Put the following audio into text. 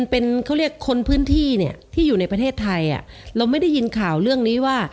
เป็นเขาเรียกคนพื้นที่เนี่ยที่อยู่ในประเทศไทยเราไม่ได้ยินข่าวเรื่องนี้ว่า